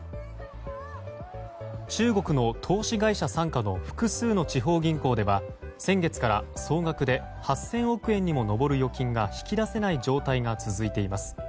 中国の投資会社傘下の複数の地方銀行では先月から総額で８０００億円にも上る預金が引き出せない状態が続いています。